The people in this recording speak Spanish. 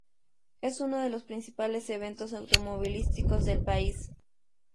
Es uno de los principales eventos automovilísticos del país.